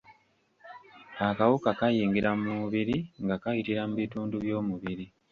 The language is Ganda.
Akawuka kayingira mu mubiri nga kayitira mu bitundu by’omubiri.